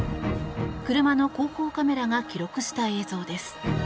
車の後方カメラが記録した映像です。